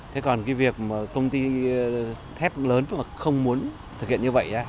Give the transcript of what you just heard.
thế còn công ty tisco lớn không muốn thực hiện như vậy